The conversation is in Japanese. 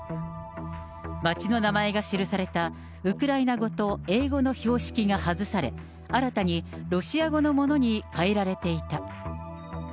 街の名前が記されたウクライナ語と英語の標識が外され、新たにロシア語のものに変えられていた。